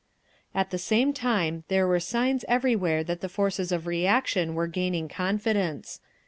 At the same time there were signs everywhere that the forces of reaction were gaining confidence.